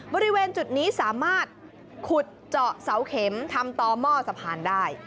บริเวณจุดนี้สามารถขุดเจาะเสาเข็มทำต่อหม้อสะพานได้